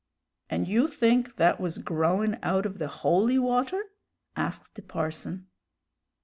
"And you think that was growin' out of the holy water?" asked the parson.